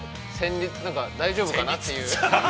大丈夫かなという。